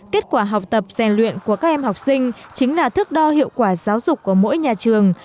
kết quả học tập rèn luyện của các em học sinh chính là thước đo hiệu quả giáo dục của mỗi nhà trường